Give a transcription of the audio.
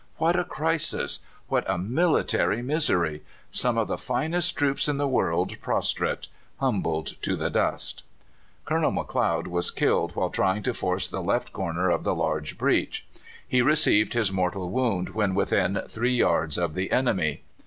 What a crisis! what a military misery! Some of the finest troops in the world prostrate humbled to the dust." Colonel McLeod was killed while trying to force the left corner of the large breach. He received his mortal wound when within three yards of the enemy.